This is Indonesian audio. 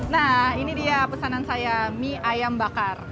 nah ini dia pesanan saya mie ayam bakar